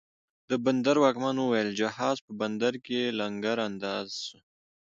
د بندر واکمن اوویل، جهاز په بندر کې لنګر انداز سو